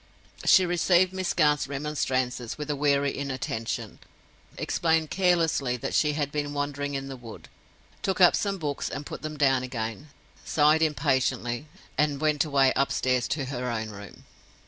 She received Miss Garth's remonstrances with a weary inattention; explained carelessly that she had been wandering in the wood; took up some books, and put them down again; sighed impatiently, and went away upstairs to her own room.